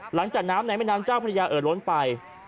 หลังจากน้ำในแม่น้ำเจ้าพระยาเอิดล้นไป